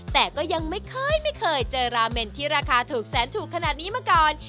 แต่ก็ยังไม่เคยไม่เคยเจอราเมนที่ราคาถูกแสนถูกขนาดนี้มาก่อน